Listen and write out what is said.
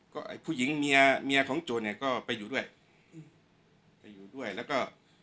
ก็ไอ้ผู้หญิงเมียเมียของโจรเนี่ยก็ไปอยู่ด้วยไปอยู่ด้วยแล้วก็